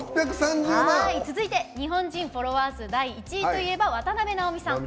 続いて日本人フォロワー数第１位といえば渡辺直美さん。